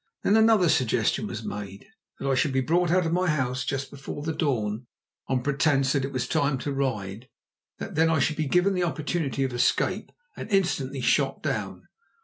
Then another suggestion was made: that I should be brought out of my house just before the dawn on pretence that it was time to ride; that then I should be given the opportunity of escape and instantly shot down.